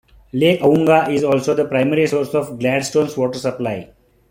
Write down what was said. Lake Awoonga is also the primary source of Gladstone's water supply.